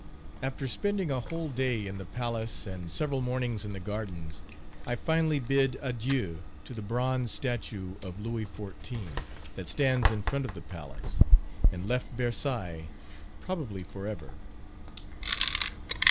After spending a whole day in the Palace and several mornings in the Gardens, I finally bid adieu to the bronze statue of Louis XIV. that stands in front of the Palace, and left Versailles, probably for ever.